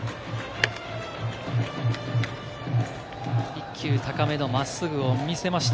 １球、高めの真っすぐを見せました。